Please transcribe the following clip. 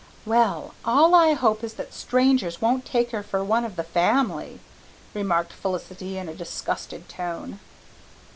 "Well, all I hope is that strangers won't take her for one of the family," remarked Felicity in a disgusted tone.